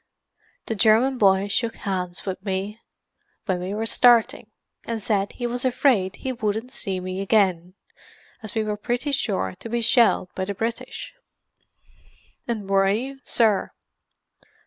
The German boy shook hands with me when we were starting, and said he was afraid he wouldn't see me again, as we were pretty sure to be shelled by the British." "And were you, sir?"